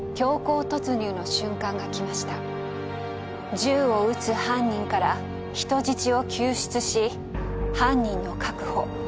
銃を撃つ犯人から人質を救出し犯人の確保。